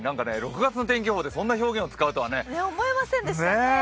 ６月の天気予報で、そんな表現を使うとは思いませんでした。